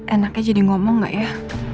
enaknya jadi ngomong gak ya